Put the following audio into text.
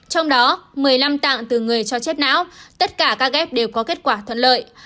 trong đó một mươi năm tạng từ người cho chết não tất cả các ghép đều có kết quả thuận lợi